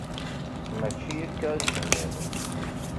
Mačči akka i d-tenniḍ.